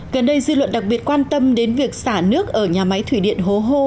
gần đây dư luận đặc biệt quan tâm đến việc xả nước ở nhà máy thủy điện hố hô